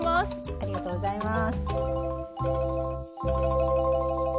ありがとうございます。